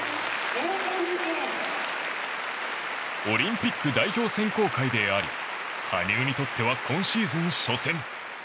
オリンピック代表選考会であり羽生にとっては今シーズン初戦。